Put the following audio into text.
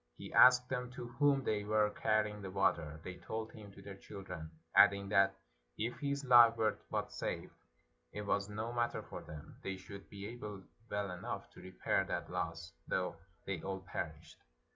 He asked them to whom they were carrying the water ; they told him to their children, adding, that if his life were but saved, it was no matter for them, they should be able well enough to repair that loss, though they all perished.